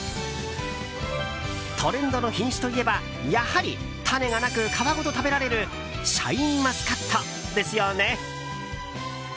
トレンドの品種といえば、やはり種がなく皮ごと食べられるシャインマスカットですよね。